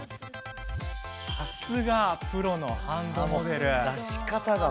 さすがプロのハンドモデル。